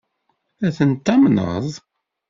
Ad tent-tamneḍ?